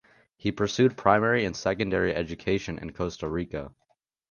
He pursued primary and secondary education in Costa Rica.